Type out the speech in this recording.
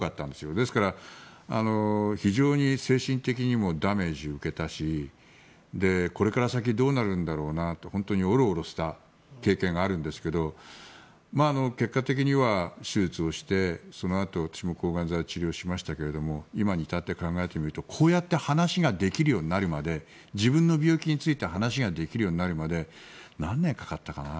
ですから、非常に精神的にもダメージを受けたしこれから先どうなるんだろうなと本当にオロオロした経験があるんですが結果的には手術をしてそのあと抗がん剤治療をしましたけど今に至って考えてみるとこうやって話ができるようになるまで自分の病気について話ができるようになるまで何年かかったかな。